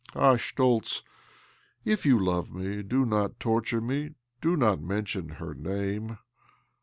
Ah, Schtoltz, if you love me, do not torture me, do not mention her name.